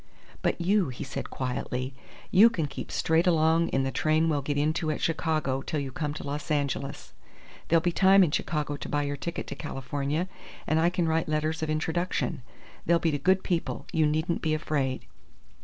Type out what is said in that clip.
"But you," he said, quietly, "you can keep straight along in the train we'll get into at Chicago till you come to Los Angeles. There'll be time in Chicago to buy your ticket to California, and I can write letters of introduction. They'll be to good people. You needn't be afraid."